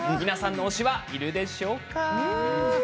皆さんの推しは、いるでしょうか。